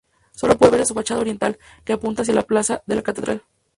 Solo puede verse su fachada oriental, que apunta hacia la plaza de la Catedral.